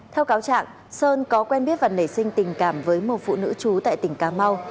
theo cáo trạng sơn có quen biết và nảy sinh tình cảm với một phụ nữ trú tại tỉnh cà mau